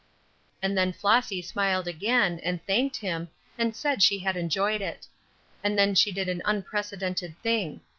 And then Flossy smiled again, and thanked them, and said she had enjoyed it. And then she did an unprecedented thing.